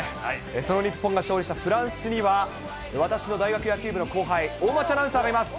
その日本が勝利したフランスには、私の大学野球部の後輩、大町アナウンサーがいます。